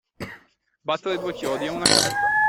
Battere due chiodi a una calda.